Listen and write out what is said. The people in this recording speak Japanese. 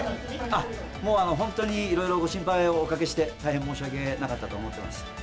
もう、本当にいろいろご心配をおかけして、大変申し訳なかったと思ってます。